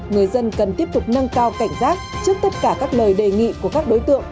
người dân cần tiếp tục nâng cao cảnh giác trước tất cả các lời đề nghị của các đối tượng